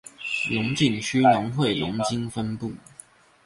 龍井區農會龍津分部